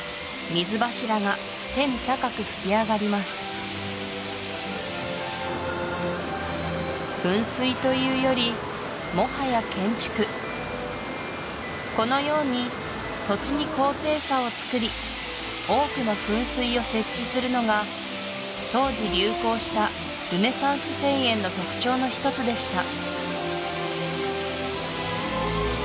水柱が天高く噴き上がります噴水というよりもはや建築このように土地に高低差をつくり多くの噴水を設置するのが当時流行したルネサンス庭園の特徴の一つでした